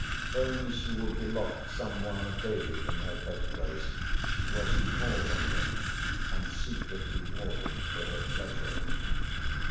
Only she would be locked somewhile daily in her bed place, where she pored on them and secretly wore them for her pleasure.